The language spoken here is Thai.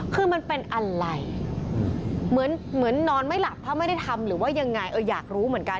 คือมันเป็นอะไรเหมือนนอนไม่หลับเพราะไม่ได้ทำหรือว่ายังไงเอออยากรู้เหมือนกัน